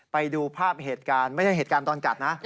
ไปดูภาพเหตุการณ์ไม่ใช่เหตุการณ์ตอนกัดนะ